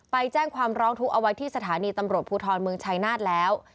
ไปแจ้งความร้องทุกข์เอาไว้ที่สถานีตำรวจภูทรเมืองชายนาฏแล้ว